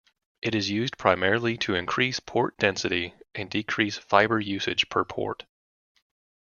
It is used primarily to increase port density and decrease fiber usage per port.